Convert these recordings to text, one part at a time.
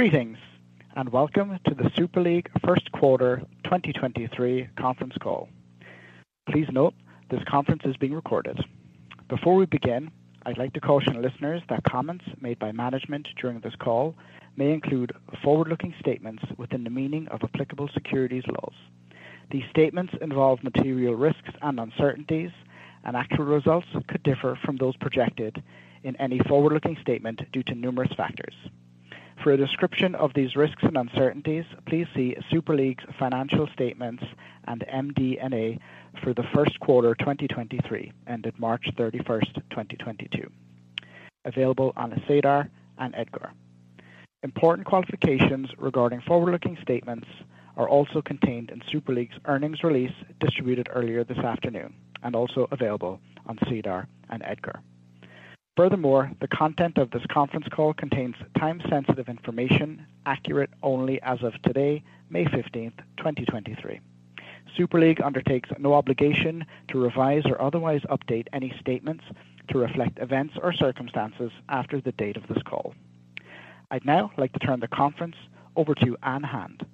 Greetings. Welcome to the Super League 1st quarter 2023 conference call. Please note this conference is being recorded. Before we begin, I'd like to caution listeners that comments made by management during this call may include forward-looking statements within the meaning of applicable securities laws. These statements involve material risks and uncertainties. Actual results could differ from those projected in any forward-looking statement due to numerous factors. For a description of these risks and uncertainties, please see Super League's financial statements and MD&A for the 1st quarter 2023 ended March 31st, 2022, available on SEDAR and EDGAR. Important qualifications regarding forward-looking statements are also contained in Super League's earnings release distributed earlier this afternoon and also available on SEDAR and EDGAR. The content of this conference call contains time-sensitive information, accurate only as of today, May 15th, 2023. Super League undertakes no obligation to revise or otherwise update any statements to reflect events or circumstances after the date of this call. I'd now like to turn the conference over to Ann Hand,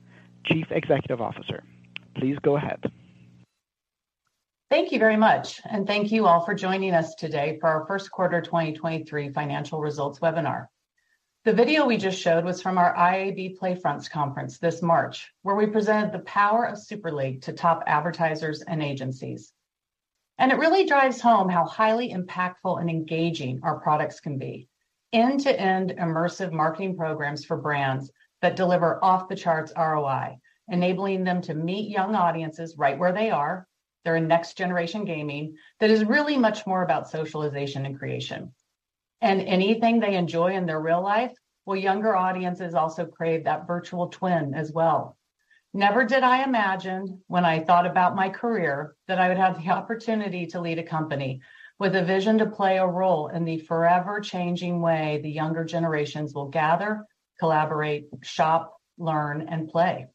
Chief Executive Officer. Please go ahead. Thank you very much. Thank you all for joining us today for our first quarter 2023 financial results webinar. The video we just showed was from our IAB PlayFronts conference this March, where we presented the power of Super League to top advertisers and agencies. It really drives home how highly impactful and engaging our products can be. End-to-end immersive marketing programs for brands that deliver off the charts ROI, enabling them to meet young audiences right where they are, their next generation gaming that is really much more about socialization and creation. Anything they enjoy in their real life, well, younger audiences also crave that virtual twin as well. Never did I imagine when I thought about my career that I would have the opportunity to lead a company with a vision to play a role in the forever changing way the younger generations will gather, collaborate, shop, learn, and play.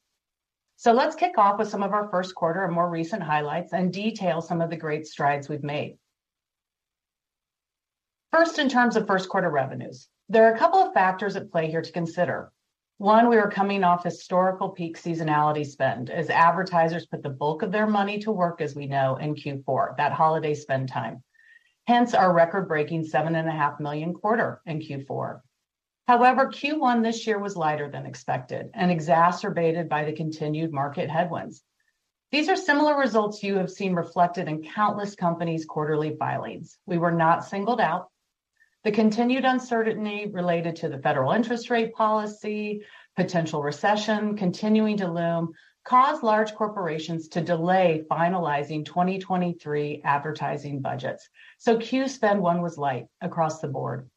Let's kick off with some of our first quarter and more recent highlights and detail some of the great strides we've made. First, in terms of first quarter revenues, there are a couple of factors at play here to consider. One, we are coming off historical peak seasonality spend as advertisers put the bulk of their money to work as we know in Q4, that holiday spend time. Hence our record-breaking $7.5 million quarter in Q4. However, Q1 this year was lighter than expected and exacerbated by the continued market headwinds. These are similar results you have seen reflected in countless companies' quarterly filings. We were not singled out. The continued uncertainty related to the federal interest rate policy, potential recession continuing to loom, caused large corporations to delay finalizing 2023 advertising budgets. Q spend 1 was light across the board.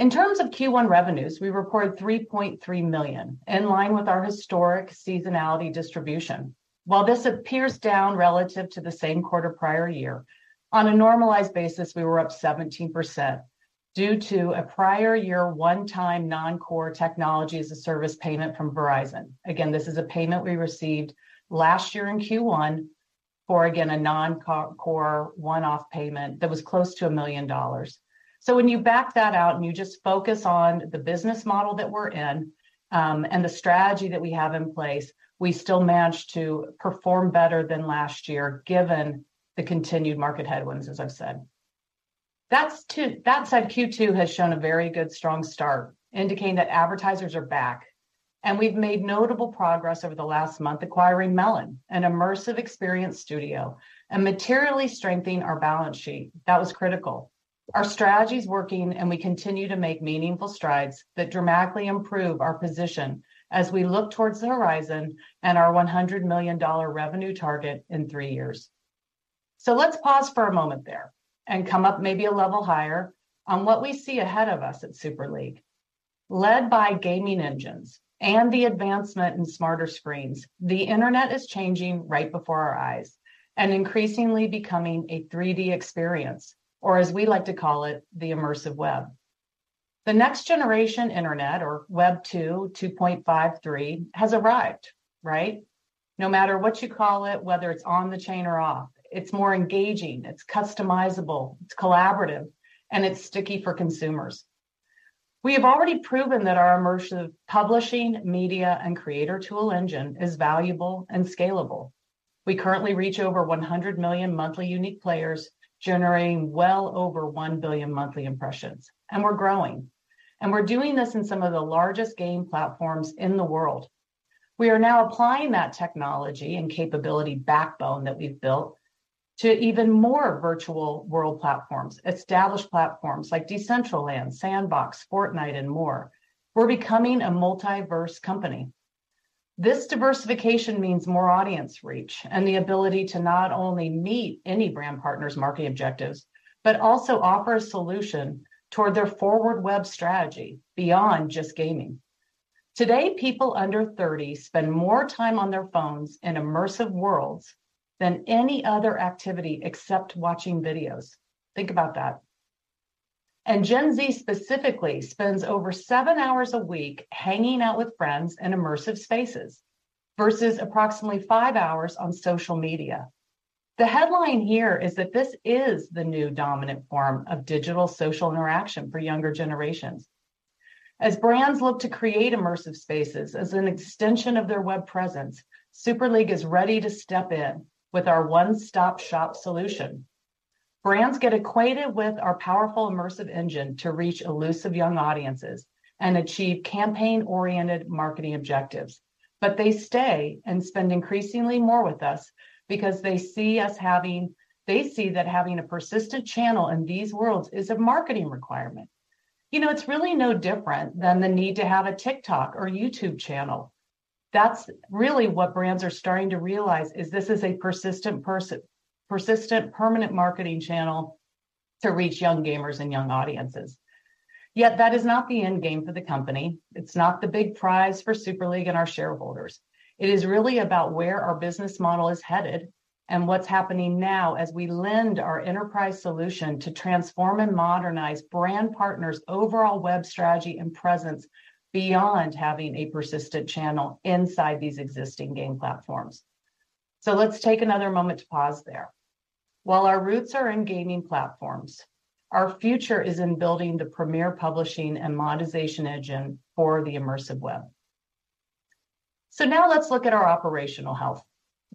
In terms of Q1 revenues, we reported $3.3 million, in line with our historic seasonality distribution. While this appears down relative to the same quarter prior year, on a normalized basis, we were up 17% due to a prior year one-time non-core technology as a service payment from Verizon. Again, this is a payment we received last year in Q1 for, again, a non-core one-off payment that was close to $1 million. When you back that out and you just focus on the business model that we're in, and the strategy that we have in place, we still managed to perform better than last year, given the continued market headwinds, as I've said. That said, Q2 has shown a very good strong start, indicating that advertisers are back. We've made notable progress over the last month acquiring Melon, an immersive experience studio, and materially strengthening our balance sheet. That was critical. Our strategy is working, and we continue to make meaningful strides that dramatically improve our position as we look towards the horizon and our $100 million revenue target in 3 years. Let's pause for a moment there and come up maybe a level higher on what we see ahead of us at Super League. Led by gaming engines and the advancement in smarter screens, the Internet is changing right before our eyes and increasingly becoming a 3D experience, or as we like to call it, the immersive web. The next generation Internet or Web 2.5, 3 has arrived, right? No matter what you call it, whether it's on the chain or off, it's more engaging, it's customizable, it's collaborative, and it's sticky for consumers. We have already proven that our immersive publishing, media, and creator tool engine is valuable and scalable. We currently reach over 100 million monthly unique players generating well over 1 billion monthly impressions, we're growing. We're doing this in some of the largest game platforms in the world. We are now applying that technology and capability backbone that we've built to even more virtual world platforms, established platforms like Decentraland, Sandbox, Fortnite, and more. We're becoming a multiverse company. This diversification means more audience reach and the ability to not only meet any brand partner's marketing objectives, but also offer a solution toward their forward web strategy beyond just gaming. Today, people under 30 spend more time on their phones in immersive worlds than any other activity except watching videos. Think about that. Gen Z specifically spends over 7 hours a week hanging out with friends in immersive spaces versus approximately 5 hours on social media. The headline here is that this is the new dominant form of digital social interaction for younger generations. As brands look to create immersive spaces as an extension of their web presence, Super League is ready to step in with our one-stop-shop solution. Brands get acquainted with our powerful immersive engine to reach elusive young audiences and achieve campaign-oriented marketing objectives. They stay and spend increasingly more with us because they see that having a persistent channel in these worlds is a marketing requirement. You know, it's really no different than the need to have a TikTok or YouTube channel. That's really what brands are starting to realize is this is a persistent, permanent marketing channel to reach young gamers and young audiences. That is not the end game for the company. It's not the big prize for Super League and our shareholders. It is really about where our business model is headed and what's happening now as we lend our enterprise solution to transform and modernize brand partners' overall web strategy and presence beyond having a persistent channel inside these existing game platforms. Let's take another moment to pause there. While our roots are in gaming platforms, our future is in building the premier publishing and monetization engine for the immersive web. Now let's look at our operational health.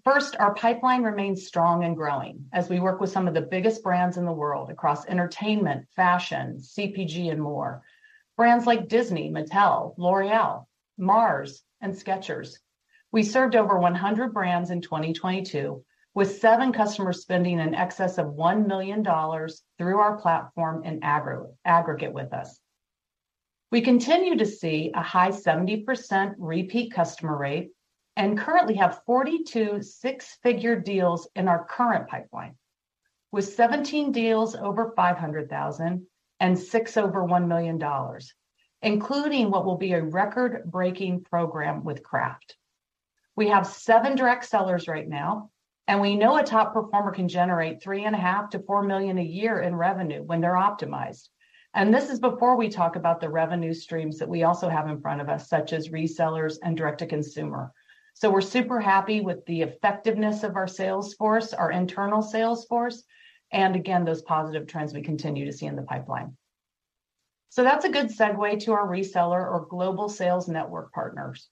First, our pipeline remains strong and growing as we work with some of the biggest brands in the world across entertainment, fashion, CPG, and more. Brands like Disney, Mattel, L'Oréal, Mars, and Skechers. We served over 100 brands in 2022, with 7 customers spending in excess of $1 million through our platform in aggregate with us. We continue to see a high 70% repeat customer rate and currently have 42 six-figure deals in our current pipeline, with 17 deals over $500,000 and 6 over $1 million, including what will be a record-breaking program with Kraft. We have 7 direct sellers right now. We know a top performer can generate $3.5 million-$4 million a year in revenue when they're optimized. This is before we talk about the revenue streams that we also have in front of us, such as resellers and direct-to-consumer. We're super happy with the effectiveness of our sales force, our internal sales force, and again, those positive trends we continue to see in the pipeline. That's a good segue to our reseller or global sales network partners.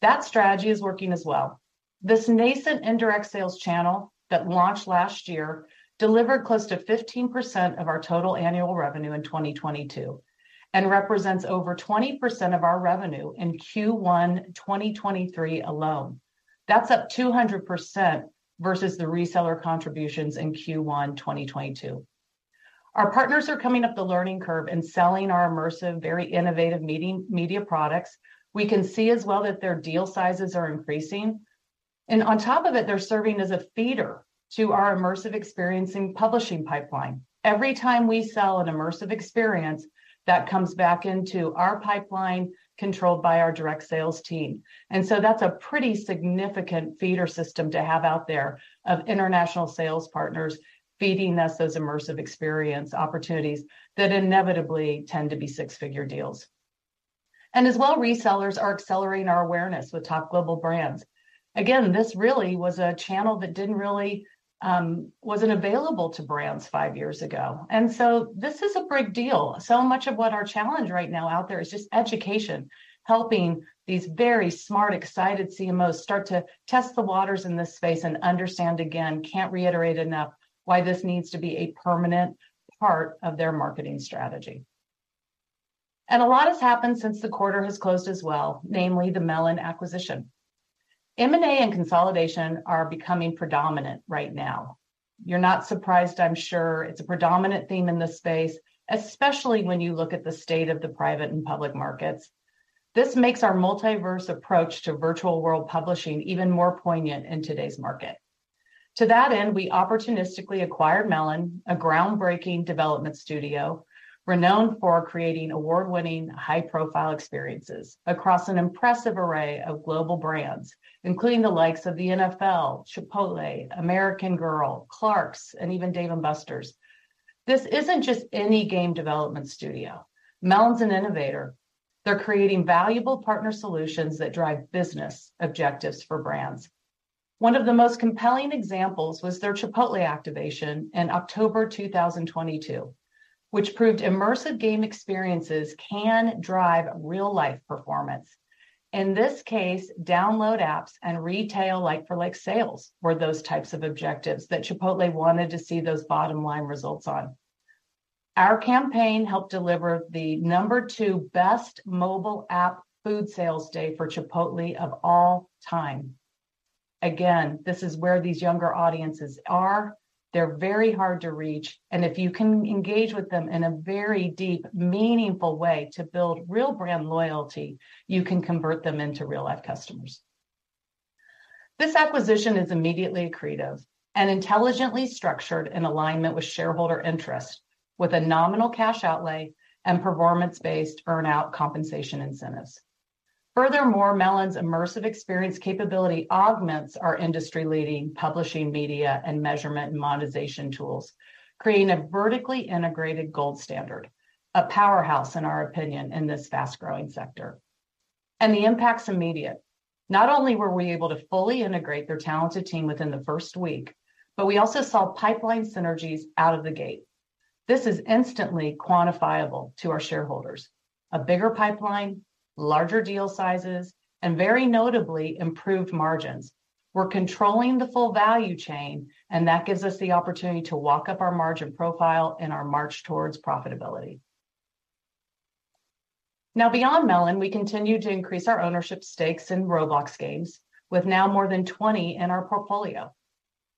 That strategy is working as well. This nascent indirect sales channel that launched last year delivered close to 15% of our total annual revenue in 2022 and represents over 20% of our revenue in Q1 2023 alone. That's up 200% versus the reseller contributions in Q1 2022. Our partners are coming up the learning curve and selling our immersive, very innovative media products. We can see as well that their deal sizes are increasing. On top of it, they're serving as a feeder to our immersive experiencing publishing pipeline. Every time we sell an immersive experience, that comes back into our pipeline controlled by our direct sales team. That's a pretty significant feeder system to have out there of international sales partners feeding us those immersive experience opportunities that inevitably tend to be six-figure deals. As well, resellers are accelerating our awareness with top global brands. Again, this really was a channel that didn't really wasn't available to brands five years ago. This is a big deal. Much of what our challenge right now out there is just education, helping these very smart, excited CMOs start to test the waters in this space and understand again, can't reiterate enough why this needs to be a permanent part of their marketing strategy. A lot has happened since the quarter has closed as well, namely the Melon acquisition. M&A and consolidation are becoming predominant right now. You're not surprised, I'm sure. It's a predominant theme in this space, especially when you look at the state of the private and public markets. This makes our multiverse approach to virtual world publishing even more poignant in today's market. To that end, we opportunistically acquired Melon, a groundbreaking development studio renowned for creating award-winning high-profile experiences across an impressive array of global brands, including the likes of the NFL, Chipotle, American Girl, Clarks, and even Dave & Buster's. This isn't just any game development studio. Melon's an innovator. They're creating valuable partner solutions that drive business objectives for brands. One of the most compelling examples was their Chipotle activation in October 2022, which proved immersive game experiences can drive real-life performance. In this case, download apps and retail like-for-like sales were those types of objectives that Chipotle wanted to see those bottom-line results on. Our campaign helped deliver the number 2 best mobile app food sales day for Chipotle of all time. This is where these younger audiences are. They're very hard to reach. If you can engage with them in a very deep, meaningful way to build real brand loyalty, you can convert them into real-life customers. This acquisition is immediately accretive and intelligently structured in alignment with shareholder interest with a nominal cash outlay and performance-based earn-out compensation incentives. Furthermore, Melon's immersive experience capability augments our industry-leading publishing media and measurement and monetization tools, creating a vertically integrated gold standard, a powerhouse, in our opinion, in this fast-growing sector. The impact's immediate. Not only were we able to fully integrate their talented team within the first week, but we also saw pipeline synergies out of the gate. This is instantly quantifiable to our shareholders. A bigger pipeline, larger deal sizes, and very notably, improved margins. We're controlling the full value chain, and that gives us the opportunity to walk up our margin profile in our march towards profitability. Beyond Melon, we continue to increase our ownership stakes in Roblox games, with now more than 20 in our portfolio.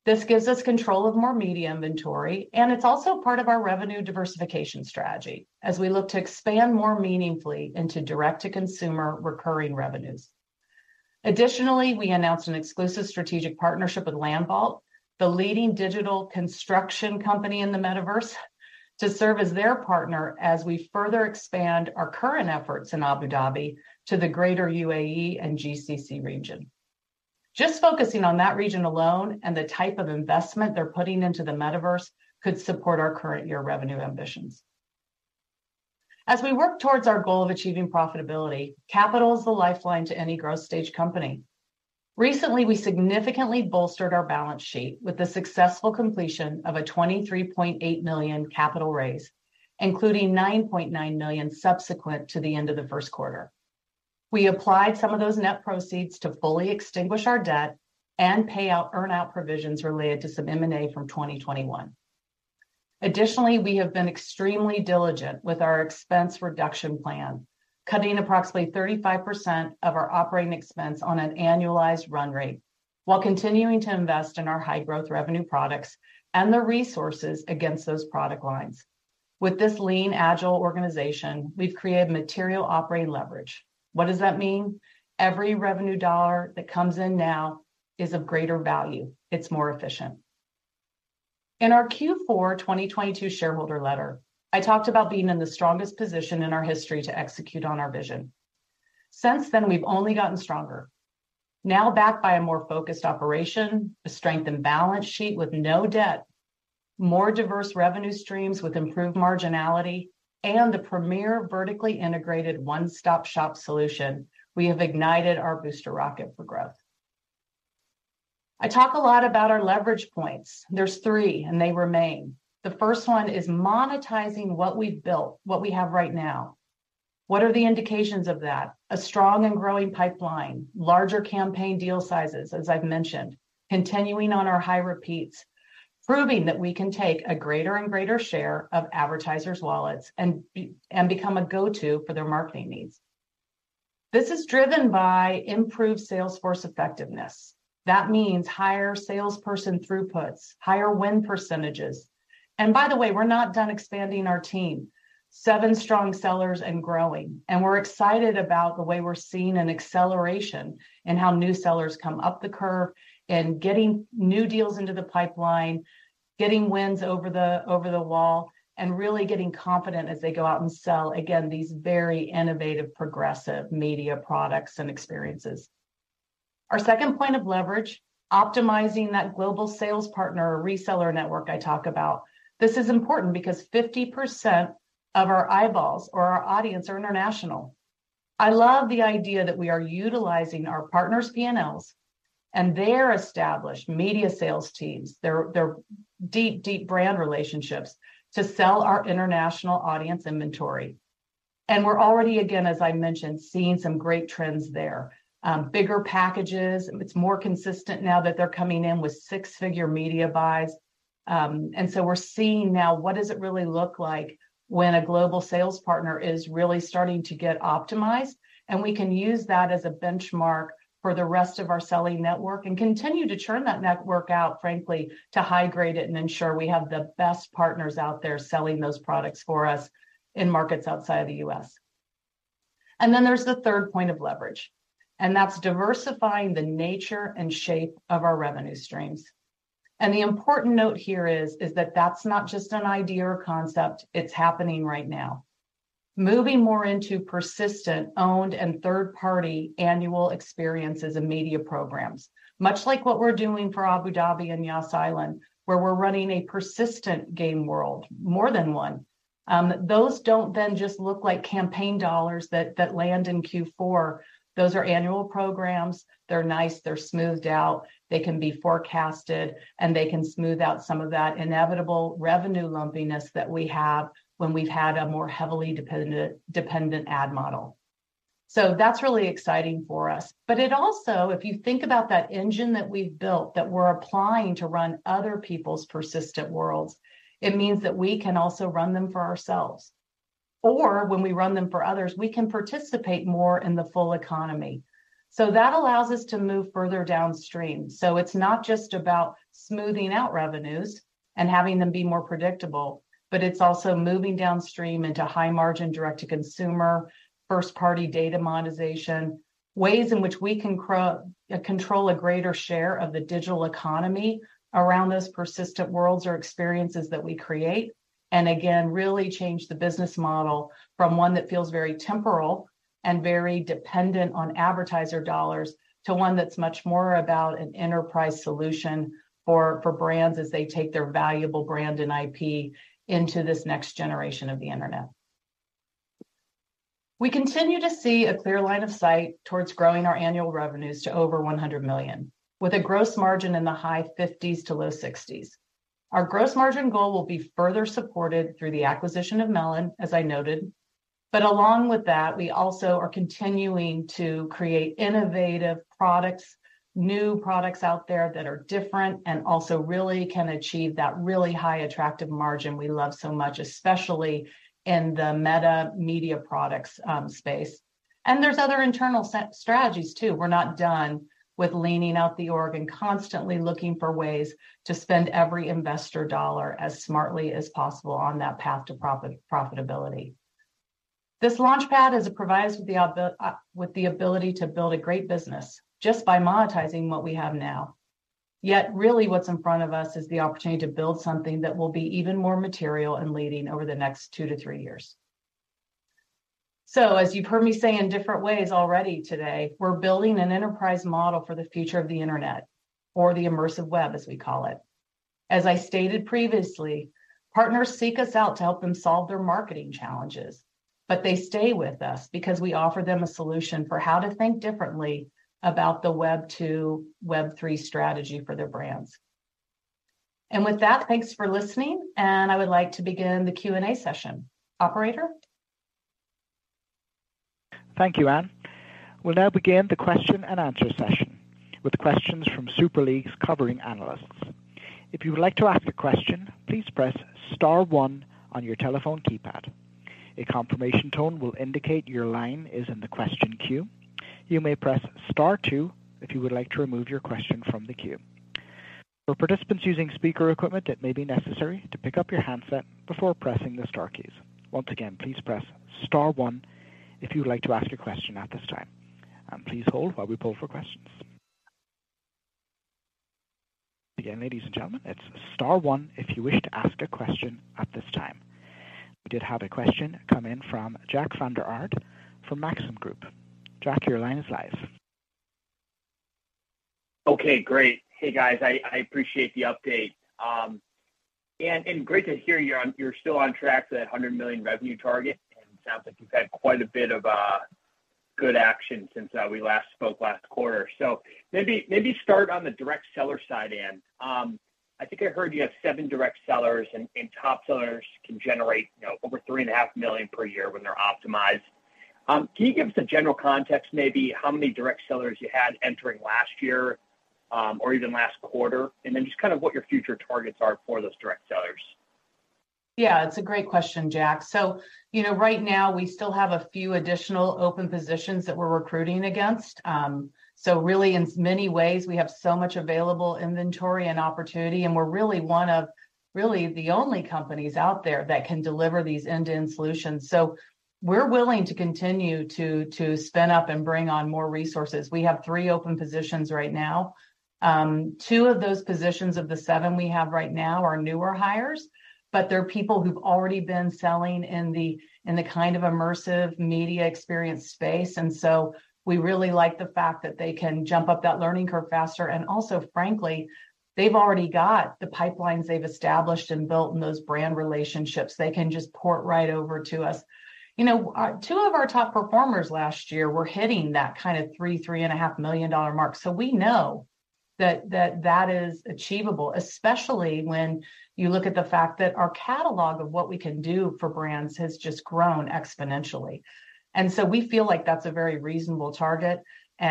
This gives us control of more media inventory, and it's also part of our revenue diversification strategy as we look to expand more meaningfully into direct-to-consumer recurring revenues. Additionally, we announced an exclusive strategic partnership with LandVault, the leading digital construction company in the metaverse, to serve as their partner as we further expand our current efforts in Abu Dhabi to the greater UAE and GCC region. Just focusing on that region alone and the type of investment they're putting into the metaverse could support our current year revenue ambitions. As we work towards our goal of achieving profitability, capital is the lifeline to any growth stage company. Recently, we significantly bolstered our balance sheet with the successful completion of a $23.8 million capital raise, including $9.9 million subsequent to the end of the first quarter. We applied some of those net proceeds to fully extinguish our debt and pay out earn-out provisions related to some M&A from 2021. We have been extremely diligent with our expense reduction plan, cutting approximately 35% of our OpEx on an annualized run rate while continuing to invest in our high-growth revenue products and the resources against those product lines. With this lean, agile organization, we've created material operating leverage. What does that mean? Every revenue dollar that comes in now is of greater value. It's more efficient. In our Q4 2022 shareholder letter, I talked about being in the strongest position in our history to execute on our vision. We've only gotten stronger. Backed by a more focused operation, a strengthened balance sheet with no debt, more diverse revenue streams with improved marginality, and a premier vertically integrated one-stop-shop solution, we have ignited our booster rocket for growth. I talk a lot about our leverage points. There's 3. They remain. The first one is monetizing what we've built, what we have right now. What are the indications of that? A strong and growing pipeline, larger campaign deal sizes, as I've mentioned, continuing on our high repeats, proving that we can take a greater and greater share of advertisers' wallets and become a go-to for their marketing needs. This is driven by improved salesforce effectiveness. That means higher salesperson throughputs, higher win %. By the way, we're not done expanding our team. Seven strong sellers and growing, and we're excited about the way we're seeing an acceleration in how new sellers come up the curve and getting new deals into the pipeline, getting wins over the wall, and really getting confident as they go out and sell, again, these very innovative, progressive media products and experiences. Our second point of leverage, optimizing that global sales partner or reseller network I talk about. This is important because 50% of our eyeballs or our audience are international. I love the idea that we are utilizing our partners' P&Ls and their established media sales teams, their deep brand relationships, to sell our international audience inventory. We're already, again, as I mentioned, seeing some great trends there. Bigger packages. It's more consistent now that they're coming in with six-figure media buys. We're seeing now what does it really look like when a global sales partner is really starting to get optimized, and we can use that as a benchmark for the rest of our selling network and continue to churn that network out, frankly, to high-grade it and ensure we have the best partners out there selling those products for us in markets outside the U.S. There's the third point of leverage, and that's diversifying the nature and shape of our revenue streams. The important note here is that that's not just an idea or concept. It's happening right now. Moving more into persistent owned and third-party annual experiences and media programs, much like what we're doing for Abu Dhabi and Yas Island, where we're running a persistent game world, more than one. Those don't just look like campaign dollars that land in Q4. Those are annual programs. They're nice. They're smoothed out. They can be forecasted, and they can smooth out some of that inevitable revenue lumpiness that we have when we've had a more heavily dependent ad model. That's really exciting for us. It also, if you think about that engine that we've built that we're applying to run other people's persistent worlds, it means that we can also run them for ourselves. When we run them for others, we can participate more in the full economy. That allows us to move further downstream. It's not just about smoothing out revenues and having them be more predictable, but it's also moving downstream into high-margin direct-to-consumer first-party data monetization, ways in which we can control a greater share of the digital economy around those persistent worlds or experiences that we create, and again, really change the business model from one that feels very temporal and very dependent on advertiser dollars to one that's much more about an enterprise solution for brands as they take their valuable brand and IP into this next generation of the internet. We continue to see a clear line of sight towards growing our annual revenues to over $100 million, with a gross margin in the high fifties% to low sixties%. Our gross margin goal will be further supported through the acquisition of Melon, as I noted. Along with that, we also are continuing to create innovative products, new products out there that are different and also really can achieve that really high attractive margin we love so much, especially in the meta media products space. There's other internal strategies too. We're not done with leaning out the org and constantly looking for ways to spend every investor dollar as smartly as possible on that path to profitability. This launch pad is, it provides with the ability to build a great business just by monetizing what we have now. Really what's in front of us is the opportunity to build something that will be even more material and leading over the next two to three years. As you've heard me say in different ways already today, we're building an enterprise model for the future of the Internet or the immersive web, as we call it. As I stated previously, partners seek us out to help them solve their marketing challenges, but they stay with us because we offer them a solution for how to think differently about the Web 2.0, Web3 strategy for their brands. With that, thanks for listening, and I would like to begin the Q&A session. Operator. Thank you, Ann. We'll now begin the question and answer session with questions from Super League's covering analysts. If you would like to ask a question, please press star 1 on your telephone keypad. A confirmation tone will indicate your line is in the question queue. You may press star 2 if you would like to remove your question from the queue. For participants using speaker equipment, it may be necessary to pick up your handset before pressing the star keys. Once again, please press star 1 if you would like to ask a question at this time. Please hold while we pull for questions. Again, ladies and gentlemen, it's star 1 if you wish to ask a question at this time. We did have a question come in from Jack Vander Aarde from Maxim Group. Jack, your line is live. Okay, great. Hey, guys. I appreciate the update. Great to hear you're still on track for that $100 million revenue target, and it sounds like you've had quite a bit of good action since we last spoke last quarter. Maybe start on the direct seller side, Ann. I think I heard you have seven direct sellers and top sellers can generate, you know, over $3.5 million per year when they're optimized. Can you give us a general context maybe how many direct sellers you had entering last year or even last quarter? Just kind of what your future targets are for those direct sellers. Yeah, it's a great question, Jack. you know, right now we still have a few additional open positions that we're recruiting against. really in many ways, we have so much available inventory and opportunity, and we're really one of really the only companies out there that can deliver these end-to-end solutions. We're willing to continue to spin up and bring on more resources. We have 3 open positions right now. Two of those positions of the 7 we have right now are newer hires, but they're people who've already been selling in the, in the kind of immersive media experience space. We really like the fact that they can jump up that learning curve faster. frankly, they've already got the pipelines they've established and built in those brand relationships. They can just port right over to us. You know, two of our top performers last year were hitting that kind of three and a half million dollar mark. We know that that is achievable, especially when you look at the fact that our catalog of what we can do for brands has just grown exponentially. We feel like that's a very reasonable target. You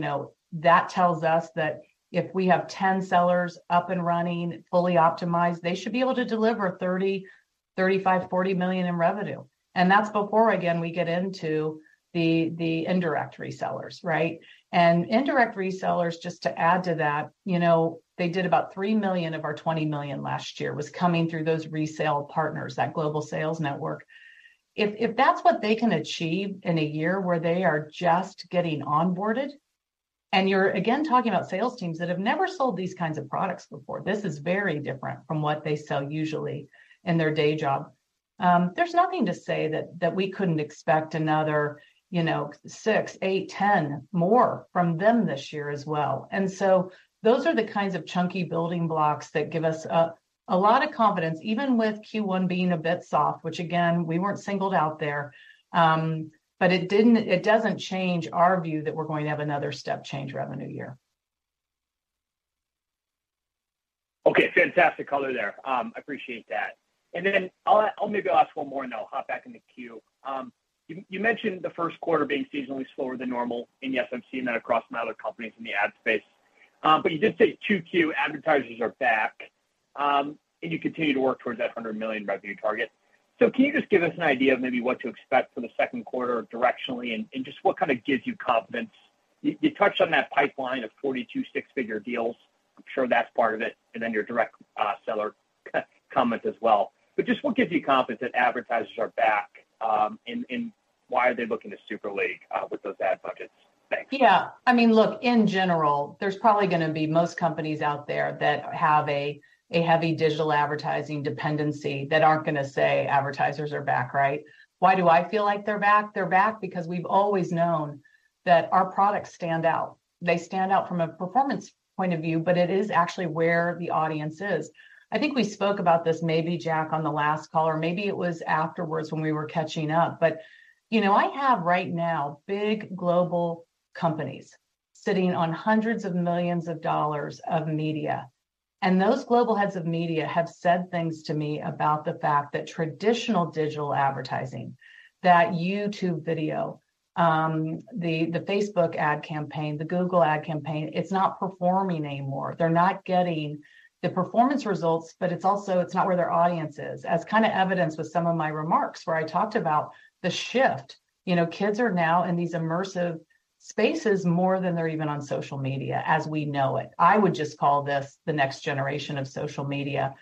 know, that tells us that if we have 10 sellers up and running, fully optimized, they should be able to deliver $30 million, $35 million, $40 million in revenue. That's before, again, we get into the indirect resellers, right? Indirect resellers, just to add to that, you know, they did about $3 million of our $20 million last year, was coming through those resale partners, that global sales network. If that's what they can achieve in a year where they are just getting onboarded, and you're again talking about sales teams that have never sold these kinds of products before, this is very different from what they sell usually in their day job, there's nothing to say that we couldn't expect another, you know, 6, 8, 10 more from them this year as well. Those are the kinds of chunky building blocks that give us a lot of confidence, even with Q1 being a bit soft, which again, we weren't singled out there, but it doesn't change our view that we're going to have another step change revenue year. Okay, fantastic color there. Appreciate that. I'll maybe ask one more, and then I'll hop back in the queue. You mentioned the first quarter being seasonally slower than normal, and yes, I'm seeing that across my other companies in the ad space. You did say Q2 advertisers are back, and you continue to work towards that $100 million revenue target. Can you just give us an idea of maybe what to expect for the second quarter directionally and just what kind of gives you confidence? You touched on that pipeline of 42 six-figure deals. I'm sure that's part of it, and then your direct seller comments as well. Just what gives you confidence that advertisers are back, and why are they looking to Super League with those ad budgets? Thanks. Yeah. I mean, look, in general, there's probably gonna be most companies out there that have a heavy digital advertising dependency that aren't gonna say advertisers are back, right? Why do I feel like they're back? They're back because we've always known that our products stand out. They stand out from a performance point of view, but it is actually where the audience is. I think we spoke about this maybe, Jack, on the last call, or maybe it was afterwards when we were catching up. You know, I have right now big global companies sitting on hundreds of millions of dollars of media. Those global heads of media have said things to me about the fact that traditional digital advertising, that YouTube video, the Facebook ad campaign, the Google Ad campaign, it's not performing anymore. They're not getting the performance results. It's also it's not where their audience is. As kinda evidenced with some of my remarks where I talked about the shift. You know, kids are now in these immersive spaces more than they're even on social media as we know it. I would just call this the next generation of social media.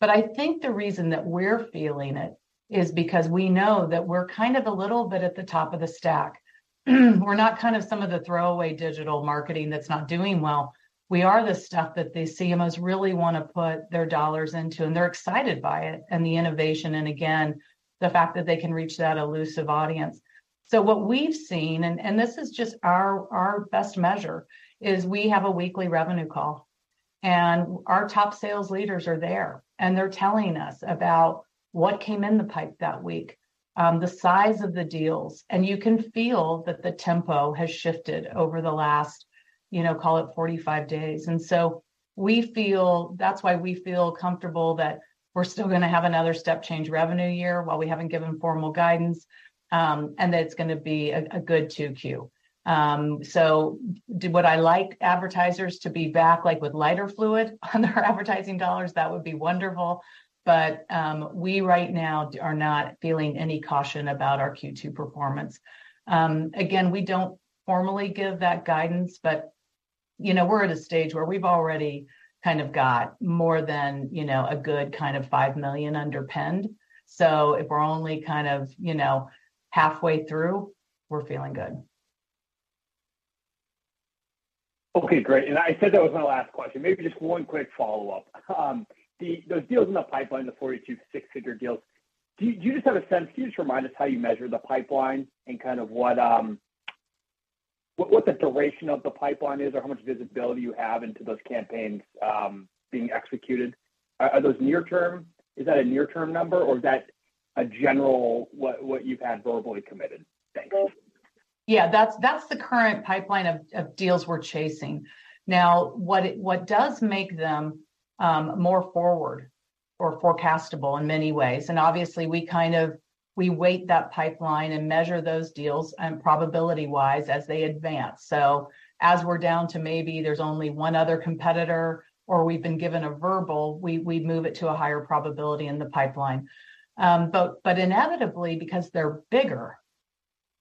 I think the reason that we're feeling it is because we know that we're kind of a little bit at the top of the stack. We're not kind of some of the throwaway digital marketing that's not doing well. We are the stuff that the CMOs really wanna put their dollars into, and they're excited by it and the innovation and again, the fact that they can reach that elusive audience. What we've seen, and this is just our best measure, is we have a weekly revenue call, and our top sales leaders are there, and they're telling us about what came in the pipe that week, the size of the deals. You can feel that the tempo has shifted over the last, you know, call it 45 days. We feel comfortable that we're still gonna have another step change revenue year while we haven't given formal guidance, and that it's gonna be a good 2 Q. Would I like advertisers to be back, like, with lighter fluid on their advertising dollars? That would be wonderful, but we right now are not feeling any caution about our Q2 performance. Again, we don't formally give that guidance. You know, we're at a stage where we've already kind of got more than, you know, a good kind of $5 million underpinned. If we're only kind of, you know, halfway through, we're feeling good. Okay, great. I said that was my last question. Maybe just one quick follow-up. Those deals in the pipeline, the 42 6-figure deals, do you just have a sense, can you just remind us how you measure the pipeline and kind of what the duration of the pipeline is or how much visibility you have into those campaigns being executed? Are those near term? Is that a near term number or is that a general what you've had verbally committed? Thanks. Yeah, that's the current pipeline of deals we're chasing. What does make them more forward or forecastable in many ways, and obviously we kind of, we weight that pipeline and measure those deals and probability-wise as they advance. As we're down to maybe there's only one other competitor or we've been given a verbal, we move it to a higher probability in the pipeline. Inevitably because they're bigger,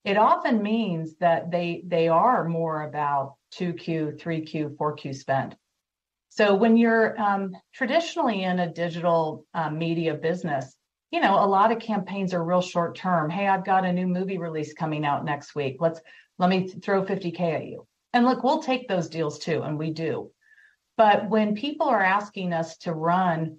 it often means that they are more about 2Q, 3Q, 4Q spend. When you're traditionally in a digital media business, you know, a lot of campaigns are real short term. "Hey, I've got a new movie release coming out next week. let me throw $50K at you." Look, we'll take those deals too, and we do. When people are asking us to run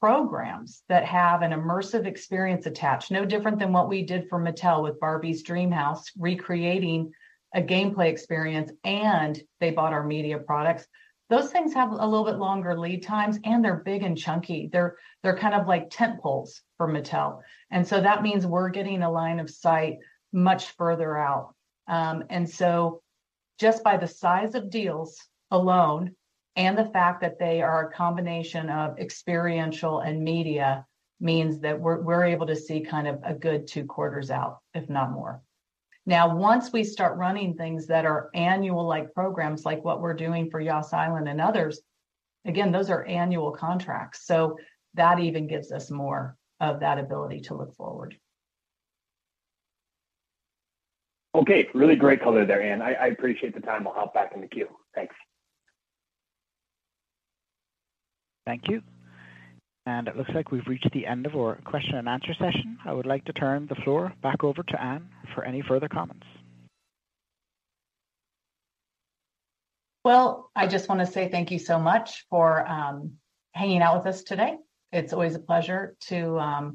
programs that have an immersive experience attached, no different than what we did for Mattel with Barbie DreamHouse, recreating a gameplay experience, and they bought our media products. Those things have a little bit longer lead times, and they're big and chunky. They're kind of like tentpoles for Mattel. That means we're getting a line of sight much further out. Just by the size of deals alone and the fact that they are a combination of experiential and media means that we're able to see kind of a good two quarters out, if not more. Now, once we start running things that are annual like programs like what we're doing for Yas Island and others, again, those are annual contracts, so that even gives us more of that ability to look forward. Okay. Really great color there, Ann. I appreciate the time. I'll hop back in the queue. Thanks. Thank you. It looks like we've reached the end of our question and answer session. I would like to turn the floor back over to Ann for any further comments. I just wanna say thank you so much for hanging out with us today. It's always a pleasure to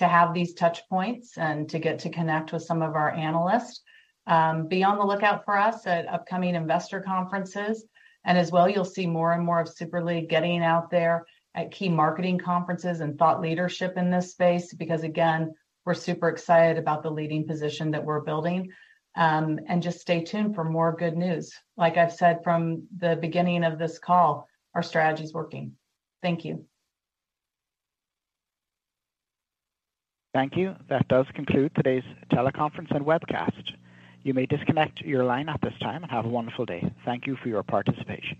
have these touch points and to get to connect with some of our analysts. Be on the lookout for us at upcoming investor conferences. As well, you'll see more and more of Super League getting out there at key marketing conferences and thought leadership in this space because, again, we're super excited about the leading position that we're building. Just stay tuned for more good news. Like I've said from the beginning of this call, our strategy is working. Thank you. Thank you. That does conclude today's teleconference and webcast. You may disconnect your line at this time. Have a wonderful day. Thank you for your participation.